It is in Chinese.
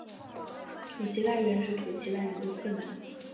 土岐赖元是土岐赖艺的四男。